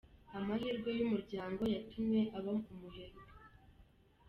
Amahirwe y’umuryango yatumye aba umuherwe